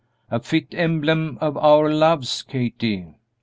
"A fit emblem of our loves, Kathie!"